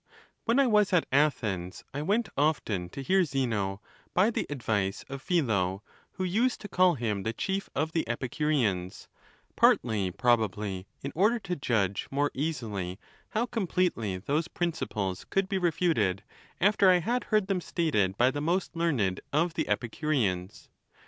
When I was at Athens, I went often to hear Zeno, by the advice of Philo, who used to ' call him the chief of the Epicureans ; partly, probably, in order to judge more easily how completely those princi ples could be refuted after I had heard them stated by the most learned of the Epicureans.